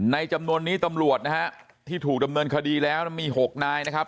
จำนวนนี้ตำรวจนะฮะที่ถูกดำเนินคดีแล้วมี๖นายนะครับ